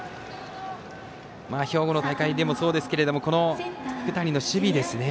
兵庫の大会でもそうですけどこの福谷の守備ですね。